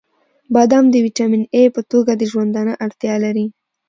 • بادام د ویټامین ای په توګه د ژوندانه اړتیا لري.